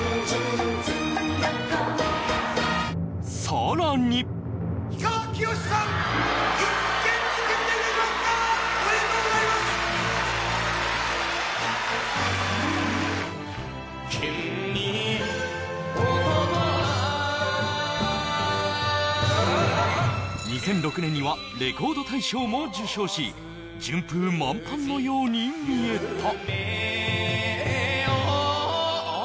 更に２００６年には、レコード大賞も受賞し、順風満帆のように見えた。